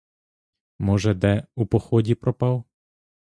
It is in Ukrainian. Може, де у поході пропав?